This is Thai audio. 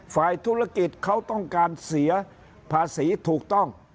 ฝ่ายธุรกิจเขาต้องการเสียภาษีถูกต้อง